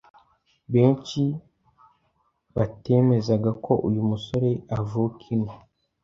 benshi batemezaga ko uyu musore uvuka ino